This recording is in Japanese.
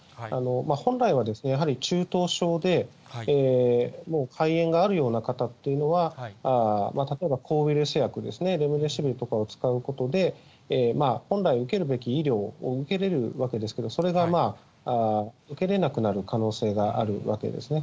本来はですね、やはり中等症で、もう肺炎があるような方というのは、例えば抗ウイルス薬ですね、レムデシビルとかを使うことで、本来受けるべき医療を受けれるわけですけど、それが受けれなくなる可能性があるわけですね。